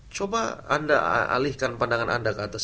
coba anda alihkan pandangan anda ke atas